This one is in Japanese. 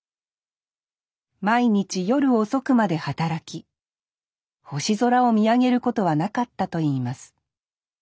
毎日夜遅くまで働き星空を見上げることはなかったと言います